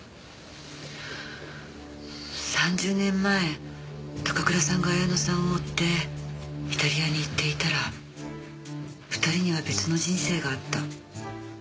３０年前高倉さんが彩乃さんを追ってイタリアに行っていたら２人には別の人生があった。